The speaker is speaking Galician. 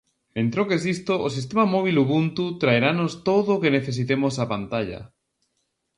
En troques disto, o sistema móbil Ubuntu traeranos todo o que necesitemos á pantalla.